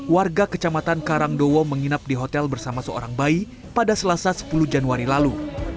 warga kecamatan karangdowo menginap di hotel bersama seorang bayi pada selasa sepuluh januari lalu